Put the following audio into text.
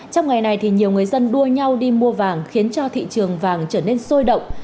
trong ngày này thì nhiều người dân đua nhau đi mua vàng khiến cho thị trường vàng trở nên sôi động